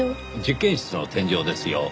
実験室の天井ですよ。